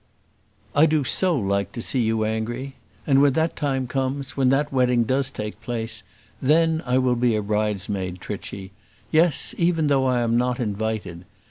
"I do so like to see you angry. And when that time comes, when that wedding does take place, then I will be a bridesmaid, Trichy. Yes! even though I am not invited.